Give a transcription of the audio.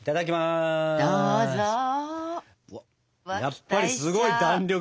やっぱりすごい弾力。